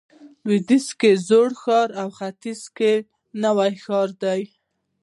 لویدیځ کې زوړ ښار او ختیځ ته نوی ښار دی.